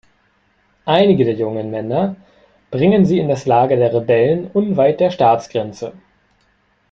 Einige der jungen Männer bringen sie in das Lager der Rebellen unweit der Staatsgrenze.